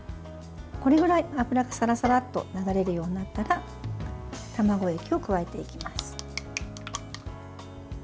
これぐらい油がサラサラッと流れるようになったら卵液を加えてきます。